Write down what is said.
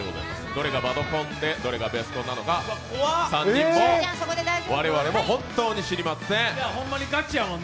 どれがバドコンでどれがベスコンなのか、我々も本当に知りません。